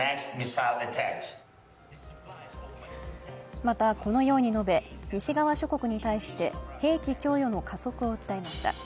また、このように述べ、西側諸国に対して兵器供与の加速を訴えました。